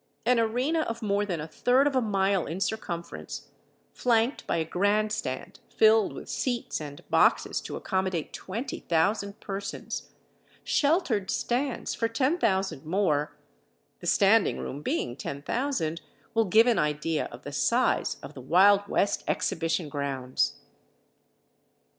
An arena of more than a third of a mile in circumference, flanked by a grand stand filled with seats and boxes to accommodate 20,000 persons, sheltered stands for 10,000 more, the standing room being 10,000, will give an idea of the size of the Wild West exhibition grounds.